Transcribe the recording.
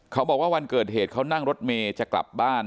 บอกว่าวันเกิดเหตุเขานั่งรถเมย์จะกลับบ้าน